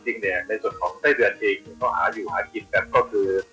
จริงเนี่ยในส่วนของไส้เดือนเองก็หาอยู่หากินกันก็คือ